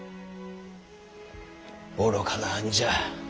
愚かな兄じゃ。